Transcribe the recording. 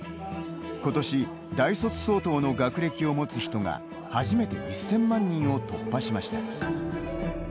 今年、大卒相当の学歴を持つ人が初めて１０００万人を突破しました。